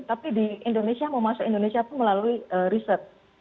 tapi di indonesia mau masuk indonesia pun melalui riset